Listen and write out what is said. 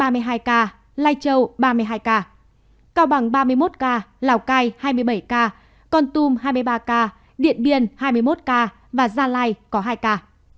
ba mươi hai ca lai châu ba mươi hai ca cao bằng ba mươi một ca lào cai hai mươi bảy ca con tum hai mươi ba ca điện biên hai mươi một ca và gia lai có hai ca